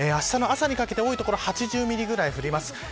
あしたの朝にかけて多い所で８０ミリぐらい降ります。